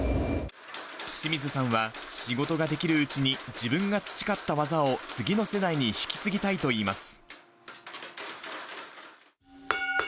清水さんは仕事ができるうちに自分が培った技を次の世代に引き継ぎたいといいます。